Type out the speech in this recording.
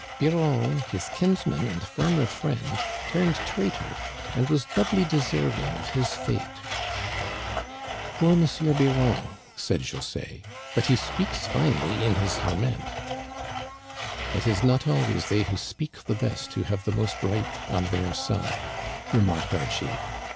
Biron, his kinsman and former friend, turned traitor, and was doubly deserving of his fate." " Poor M. Biron !" said José ;" but he speaks finely in his lament." It is not always they who speak the best who have most right on their side," remarked Archie.